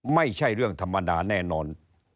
ไม่ใช่เรื่องธรรมดาแน่นอน